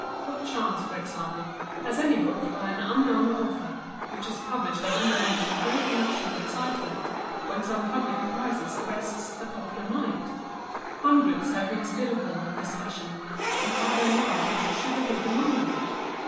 What chance, for example, has any book by an unknown author which is published at a moment of great national excitement, when some public crisis arrests the popular mind? Hundreds have been still born in this fashion, and are there none which should have lived among them?